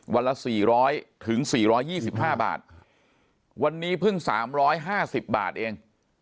วันละ๔๐๐๔๒๕บาทวันนี้เพิ่ง๓๕๐บาทเอง